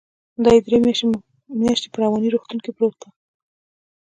دى درې مياشتې په رواني روغتون کې پروت و.